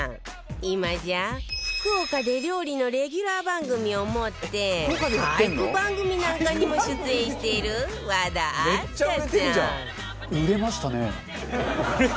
今じゃ福岡で料理のレギュラー番組を持って俳句番組なんかにも出演している和田明日香さん